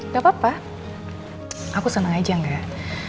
gak apa apa aku senang aja gak